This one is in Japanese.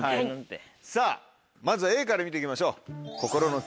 さぁまずはＡから見て行きましょう。